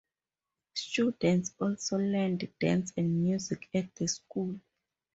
Students also learned dance and music at the school.